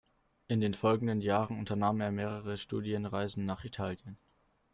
In den folgenden Jahren unternahm er mehrere Studienreisen nach Italien.